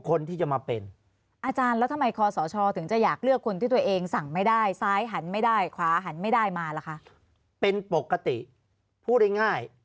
คนที่จะมาเป็นอาจารย์แล้วทำไมคสชรถึงจะอยากเลือกคน